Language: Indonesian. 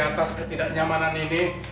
atas ketidaknyamanan ini